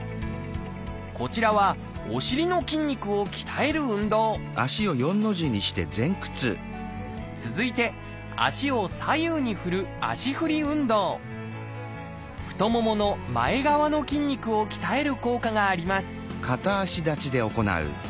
こちらはお尻の筋肉を鍛える運動続いて足を左右に振る太ももの前側の筋肉を鍛える効果があります